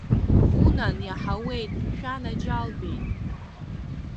Унан, иаҳауеит, шәанаџьалбеит!